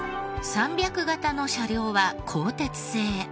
３００形の車両は鋼鉄製。